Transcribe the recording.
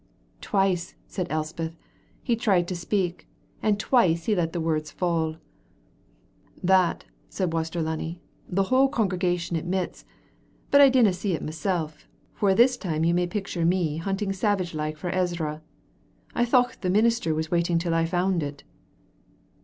"Twice," said Elspeth, "he tried to speak, and twice he let the words fall." "That," said Waster Lunny, "the whole congregation admits, but I didna see it mysel', for a' this time you may picture me hunting savage like for Ezra. I thocht the minister was waiting till I found it."